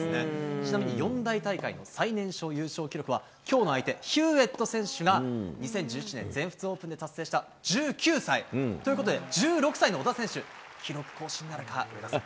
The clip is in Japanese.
ちなみに四大大会最年少優勝記録は、きょうの相手、ヒューエット選手が２０１７年全仏オープンで達成した１９歳。ということで、１６歳の小田選手、記録更新なるか、注目ですね。